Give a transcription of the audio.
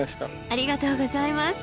ありがとうございます！